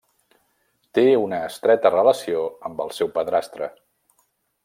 Té una estreta relació amb el seu padrastre.